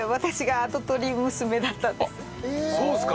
あっそうですか。